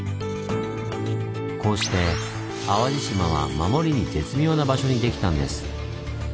こうして淡路島は守りに絶妙な場所にできたんです。